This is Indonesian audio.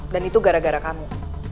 dan itu gara gara kamu